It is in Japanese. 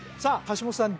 橋本さん